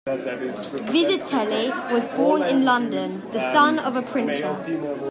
Vizetelly was born in London, the son of a printer.